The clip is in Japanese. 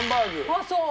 あっそう。